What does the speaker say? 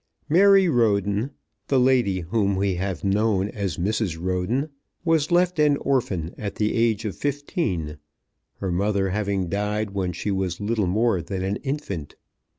Mary Roden, the lady whom we have known as Mrs. Roden, was left an orphan at the age of fifteen, her mother having died when she was little more than an infant.